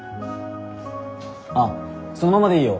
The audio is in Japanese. あっそのままでいいよ。